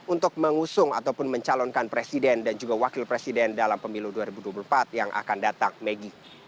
untuk mengusung ataupun mencalonkan presiden dan juga wakil presiden dalam pemilu dua ribu dua puluh empat yang akan datang megi